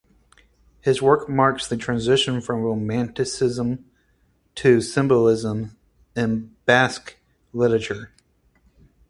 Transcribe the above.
His work marks the transition from Romanticism to Symbolism in Basque literature.